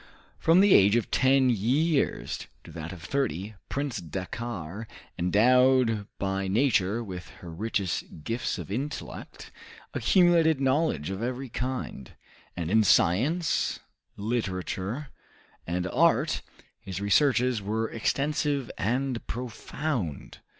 From the age of ten years to that of thirty Prince Dakkar, endowed by Nature with her richest gifts of intellect, accumulated knowledge of every kind, and in science, literature, and art his researches were extensive and profound.